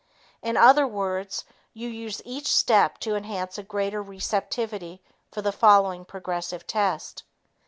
In other words, you use each step to enhance a greater receptivity for the following progressive test.